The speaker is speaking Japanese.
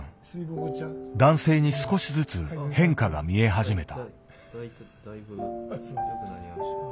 男性に少しずつ変化が見え始めた。